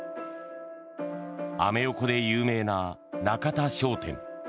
アメ横で有名な中田商店。